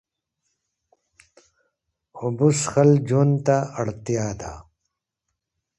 اوبه څښل ژوند ته اړتیا ده